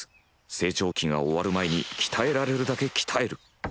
成長期が終わる前に鍛えられるだけ鍛える。